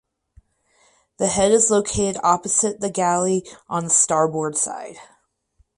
The head is located opposite the galley on the starboard side.